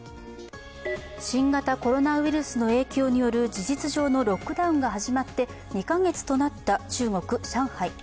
新型コロナウイルスの影響による事実上のロックダウンが始まって２カ月となった中国・上海。